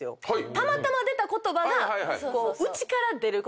たまたま出た言葉が内から出ることで。